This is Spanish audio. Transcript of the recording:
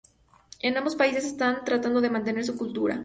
En ambos países están tratando de mantener su cultura.